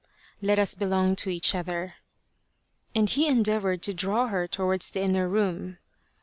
Let us belong to each other !" and he endeavoured to draw her towards the inner room.